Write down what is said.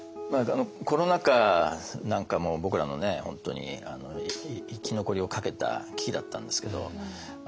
コロナ禍なんかも僕らの本当に生き残りをかけた危機だったんですけど。